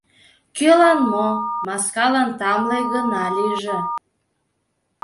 — Кӧлан мо, маскалан тамле гына лийже.